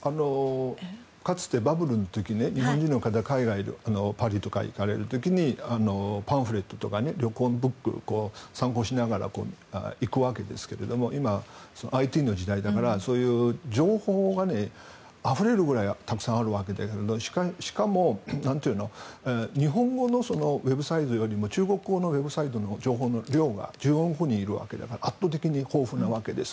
かつてバブルの時日本人の方が海外にパリとか行かれる時にパンフレットとか旅行のブックを参考にしながら行くわけですが今、ＩＴの時代だからそういう情報があふれるぐらいたくさんあるわけでしかも日本語のウェブサイトよりも中国語のウェブサイトのほうが情報の量が１４億人いるわけだから圧倒的に豊富なわけです。